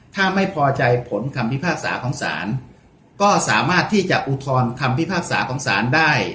ถ้าไม่พอใจผลคำพิพากษาของศาลก็สามารถที่จะอุทธรณ์คำพิพากษาของศาลได้